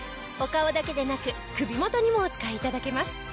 お顔だけでなく首元にもお使い頂けます。